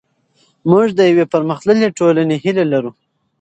موږ د یوې پرمختللې ټولنې هیله لرو.